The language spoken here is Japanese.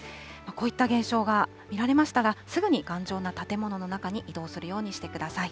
こういった現象が見られましたら、すぐに頑丈な建物の中に移動するようにしてください。